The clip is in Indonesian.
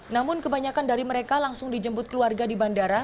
namun kebanyakan dari mereka langsung dijemput keluarga di bandara